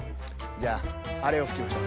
じゃああれをふきましょう。